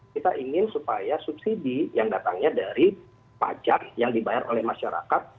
kita ingin supaya subsidi yang datangnya dari pajak yang dibayar oleh masyarakat